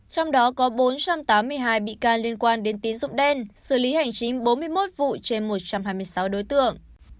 trong đó có bốn trăm tám mươi hai bị can liên quan đến tín dụng đen xử lý hành chính bốn mươi một vụ trên một trăm hai mươi sáu đối tượng